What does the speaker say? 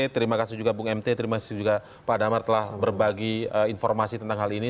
terima kasih juga bung mt terima kasih juga pak damar telah berbagi informasi tentang hal ini